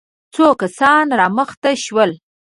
څو کسان را مخته شول.